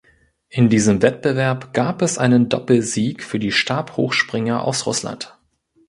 In diesem Wettbewerb gab es einen Doppelsieg für die Stabhochspringer aus Russland.